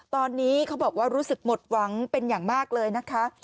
ตอนนี้เขาบอกว่ารู้สึกหมดหวังเป็นอย่างมากเลยนะคะ